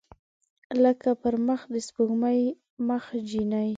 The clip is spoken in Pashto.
لکه پر مخ د سپوږمۍ مخې جینۍ